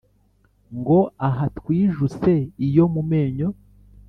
Ngo aha twijuse iyo mu menyo?